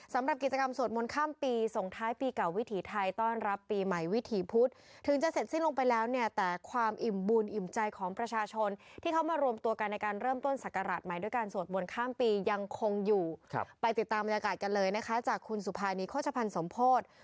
สำหรับกิจกรรมสวดมนต์ข้ามปีส่งท้ายปีเก่าวิถีไทยต้อนรับปีใหม่วิถีพุธถึงจะเสร็จสิ้นลงไปแล้วเนี่ยแต่ความอิ่มบุญอิ่มใจของประชาชนที่เขามารวมตัวกันในการเริ่มต้นศักราชใหม่ด้วยการสวดมนต์ข้ามปียังคงอยู่ไปติดตามบรรยากาศกันเลยนะคะจากคุณสุภานีโฆษภัณฑ์สมโพธิ